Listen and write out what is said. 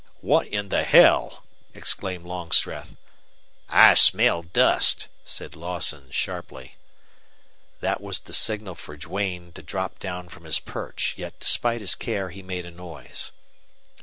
"What in the hell!" exclaimed Longstreth. "I smell dust," said Lawson, sharply. That was the signal for Duane to drop down from his perch, yet despite his care he made a noise.